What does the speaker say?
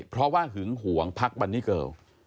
เพราะว่าหึงห่วงพักบันนี่เกิล